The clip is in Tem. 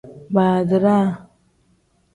Baadiraa.